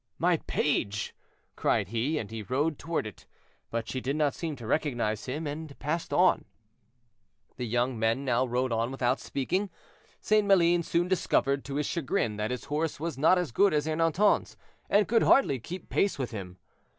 "My page!" cried he, and he rode toward it; but she did not seem to recognize him, and passed on. The young men now rode on without speaking. St. Maline soon discovered, to his chagrin, that his horse was not as good as Ernanton's, and could hardly keep pace with him.